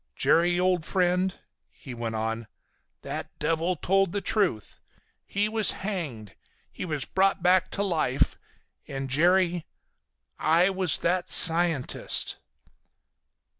Jerry, old friend," he went on, "that devil told the truth. He was hanged. He was brought back to life; and Jerry—I was that scientist!"